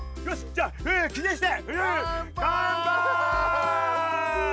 じゃあ記念して。